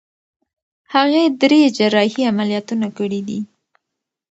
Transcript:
هغې درې جراحي عملیاتونه کړي دي.